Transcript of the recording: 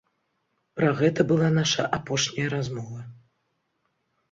Пра гэта была наша апошняя размова.